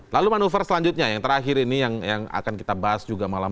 lalu manuver selanjutnya yang terakhir ini yang akan kita bahas juga malam